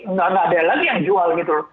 nggak ada lagi yang jual gitu loh